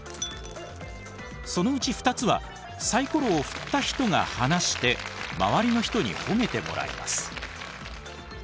そのうち２つはサイコロを振った人が話して周りの人にほめてもらいます。